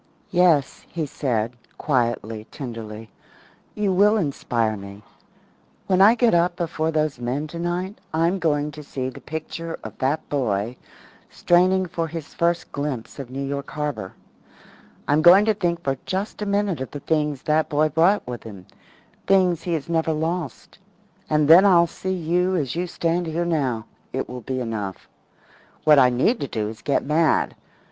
"Yes," he said, quietly, tenderly, "you will inspire me. When I get up before those men tonight I'm going to see the picture of that boy straining for his first glimpse of New York Harbour. I'm going to think for just a minute of the things that boy brought with him things he has never lost. And then I'll see you as you stand here now it will be enough. What I need to do is to get mad.